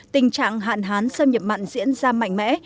tình trạng hạn hán xâm nhập mặn diễn ra mạnh mẽ